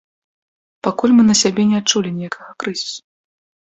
Пакуль мы на сябе не адчулі ніякага крызісу.